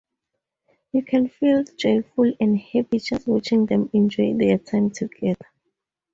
You can feel joyful and happy just watching them enjoy their time together.